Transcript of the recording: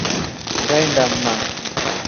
Ngaenda mma.